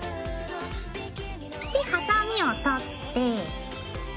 でハサミを取って。